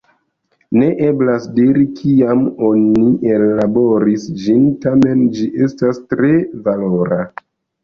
Ne eblas diri, kiam oni ellaboris ĝin, tamen ĝi estas tre valora.